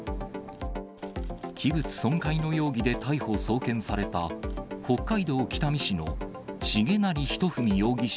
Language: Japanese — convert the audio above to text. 器物損壊の容疑で、逮捕・送検された北海道北見市の重成仁文容疑者